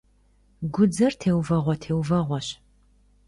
Гудзэр теувэгъуэ-теувэгъуэщ.